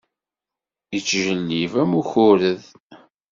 Ittjellib am ukured.